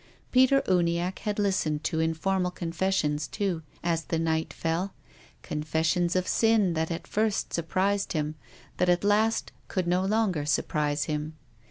Peter Uniacke had listened to informal confessions, too, as the night fell, confessions of sin that at first surprised him, that at last could no longer surprise him.